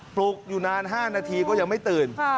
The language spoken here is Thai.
ปลุกอยู่นาน๕นาทีก็ยังไม่ตื่น